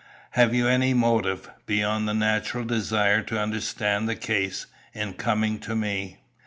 Have you any motive, beyond the natural desire to understand the case, in coming to me?"